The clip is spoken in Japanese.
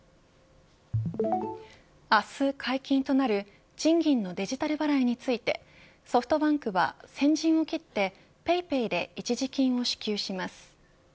明日解禁となる賃金のデジタル払いについてソフトバンクは先陣を切ってＰａｙＰａｙで一時金を支給します。